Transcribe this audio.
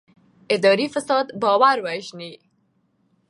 اداري فساد باور وژني